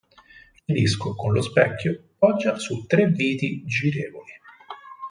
Il disco con lo specchio poggia su tre viti girevoli.